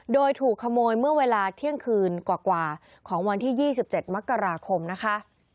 โดยถูกขโมยเมื่อเวลาเที่ยงคืนกว่าของวันที่๒๗มกราคมนะคะ